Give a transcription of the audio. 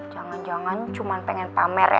jangan jangan cuma pengen pamer ya